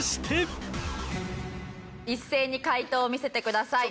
一斉に解答を見せてください。